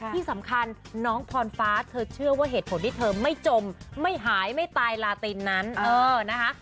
ที่สำคัญน้องพรฟ้าเธอเชื่อว่าเหตุผลที่เธอไม่จมไม่หายไม่ตายลาตินนั้นเออนะคะ